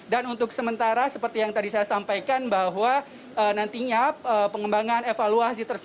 dan untuk sementara seperti yang tadi saya sampaikan bahwa nantinya pengembangan evaluasi